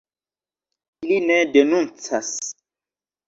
Ili ne denuncas.